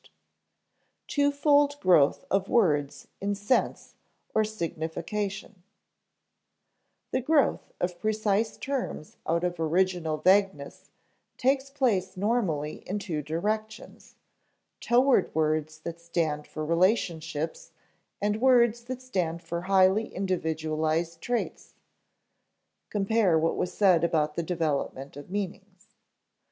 [Sidenote: Twofold growth of words in sense or signification] The growth of precise terms out of original vagueness takes place normally in two directions: toward words that stand for relationships and words that stand for highly individualized traits (compare what was said about the development of meanings, p.